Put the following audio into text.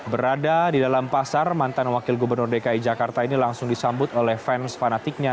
berada di dalam pasar mantan wakil gubernur dki jakarta ini langsung disambut oleh fans fanatiknya